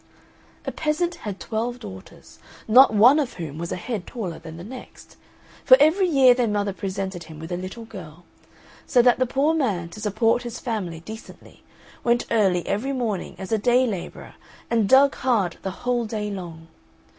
A peasant had twelve daughters, not one of whom was a head taller than the next; for every year their mother presented him with a little girl; so that the poor man, to support his family decently, went early every morning as a day labourer and dug hard the whole day long.